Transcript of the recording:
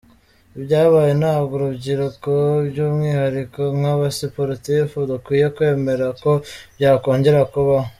Ibyabaye ntabwo urubyiruko by’umwihariko nk’abasiporutifu dukwiye kwemera ko byakongera kubaho.